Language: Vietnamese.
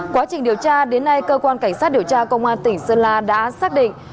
quá trình điều tra đến nay cơ quan cảnh sát điều tra công an tỉnh sơn la đã xác định